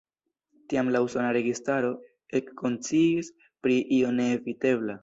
Tiam la usona registaro ekkonsciis pri io neevitebla.